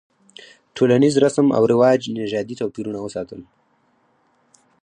ټولنیز رسم او رواج نژادي توپیرونه وساتل.